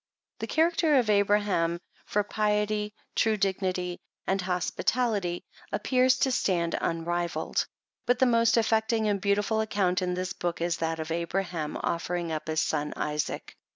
The character of Abraham, for piety, true dignity and hospitality, ap pears to stand unrivalled ; but the most affecting and beautiful account in this book, is that of Abraham offering up his son Isaac.